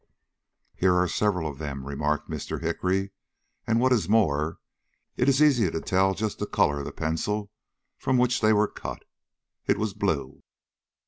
"Here are several of them," remarked Mr. Hickory, "and what is more, it is easy to tell just the color of the pencil from which they were cut. It was blue."